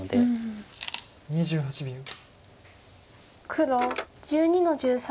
黒１２の十三。